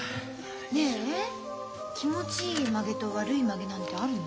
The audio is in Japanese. ねえ気持ちいいまげと悪いまげなんてあるの？